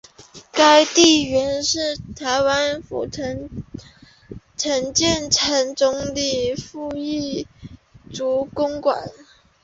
该地原是台湾府城建城总理吴鸾旗公馆。